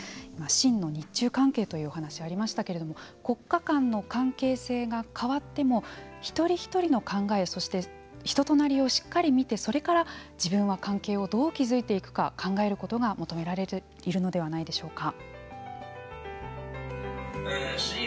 真の日中関係というお話しがありましたけれども、国家間の関係性が変わっても一人一人の考えそして人となりを見てそれから自分は関係をどう築いていくか考えることが求められているのではないでしょうか。